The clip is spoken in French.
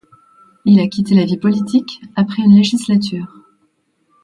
Il a quitté la vie politique après une législature.